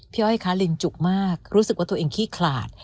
อ้อยคะลินจุกมากรู้สึกว่าตัวเองขี้ขลาด